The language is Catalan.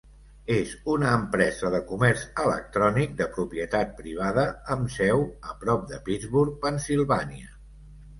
És una empresa de comerç electrònic de propietat privada amb seu a prop de Pittsburgh, Pennsilvània.